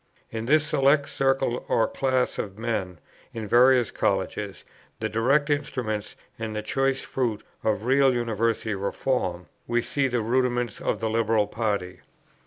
In this select circle or class of men, in various Colleges, the direct instruments and the choice fruit of real University Reform, we see the rudiments of the Liberal party.